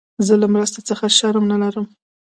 زه له مرستي څخه شرم نه لرم.